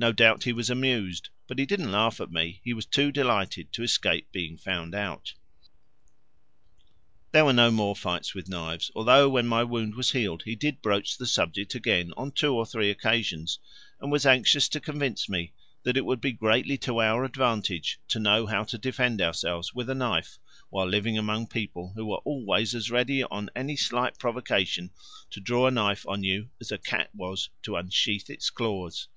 No doubt he was amused; but he didn't laugh at me, he was too delighted to escape being found out. There were no more fights with knives, although when my wound was healed he did broach the subject again on two or three occasions, and was anxious to convince me that it would be greatly to our advantage to know how to defend ourselves with a knife while living among people who were always as ready on any slight provocation to draw a knife on you as a cat was to unsheathe its claws.